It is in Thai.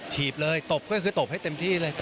ีบเลยตบก็คือตบให้เต็มที่เลย